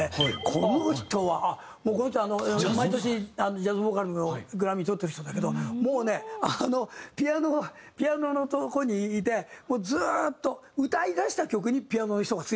この人はこの人は毎年ジャズボーカルのグラミーとってる人だけどもうねピアノがピアノのとこにいてもうずっと歌い出した曲にピアノの人がついてくるの。